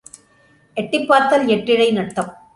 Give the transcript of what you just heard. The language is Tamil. எட்டிப் பார்த்தால் எட்டு இழை நட்டம்.